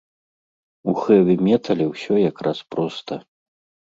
У хэві-метале ўсё як раз проста.